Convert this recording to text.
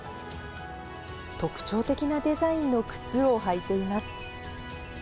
特徴的なデザインの靴を履いています。